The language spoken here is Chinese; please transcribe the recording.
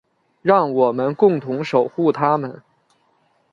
让我们共同守护她们。